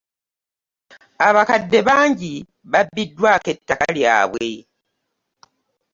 Abakadde bangi babbiddwako ettaka lyabwe.